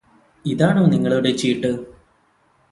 ഇതാണോ നിങ്ങളുടെ ചീട്ട്